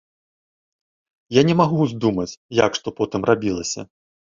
Я не магу ўздумаць, як што потым рабілася.